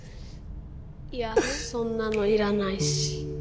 いやそんなのいらないし。